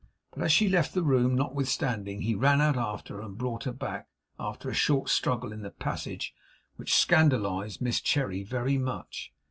But as she left the room notwithstanding, he ran out after her, and brought her back, after a short struggle in the passage which scandalized Miss Cherry very much.